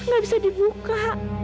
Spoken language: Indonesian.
gak bisa dibuka